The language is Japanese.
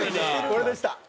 これでした。